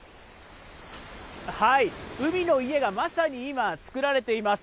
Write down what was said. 海の家がまさに今、作られています。